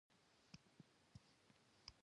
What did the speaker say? د اپارټاید رژیم واکمنېدو ته یې لار هواره کړه.